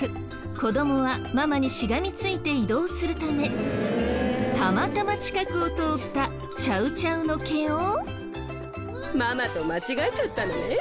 子どもはママにしがみついて移動するためたまたま近くを通ったチャウチャウの毛を。